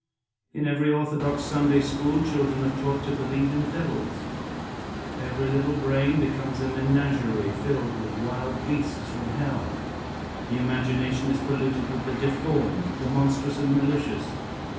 In every orthodox Sunday school children are taught to believe in devils. Every little brain becomes a menagerie, filled with wild beasts from hell. The imagination is polluted with the deformed, the monstrous and malicious.